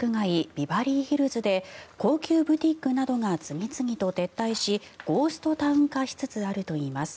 ビバリーヒルズで高級ブティックなどが次々と撤退しゴーストタウン化しつつあるといいます。